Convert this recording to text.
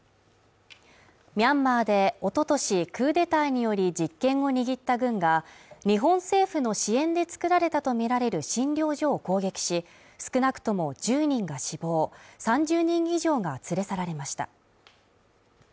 ミャンマーで、おととしクーデターにより実権を握った軍が日本政府の支援で作られたとみられる診療所を攻撃し、少なくとも１０人が死亡、３０人以上が連れ去られました。